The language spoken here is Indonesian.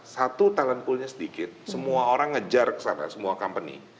satu talent poolnya sedikit semua orang ngejar kesana semua company